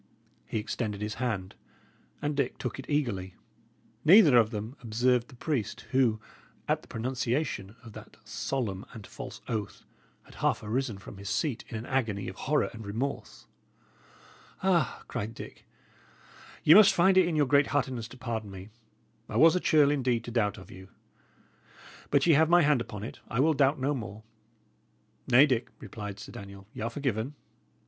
He extended his hand, and Dick took it eagerly. Neither of them observed the priest, who, at the pronunciation of that solemn and false oath, had half arisen from his seat in an agony of horror and remorse. "Ah," cried Dick, "ye must find it in your great heartedness to pardon me! I was a churl, indeed, to doubt of you. But ye have my hand upon it; I will doubt no more." "Nay, Dick," replied Sir Daniel, "y' are forgiven.